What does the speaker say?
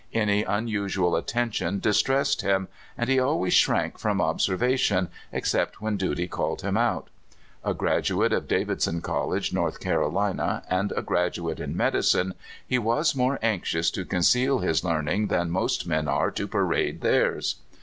An}^ unusual attention distressed him, and he alwa3^s shrank from obser vation, except when duty called him out. A grad uate of Davidson College, North Carolina, and a graduate in medicine, he was more anxious to con ceal his learning than most men are to parade theirs.